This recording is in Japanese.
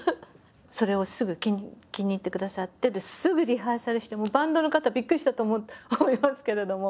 それをすぐ気に入ってくださってすぐリハーサルしてバンドの方びっくりしたと思いますけれども。